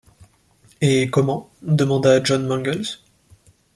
Et comment ? demanda John Mangles.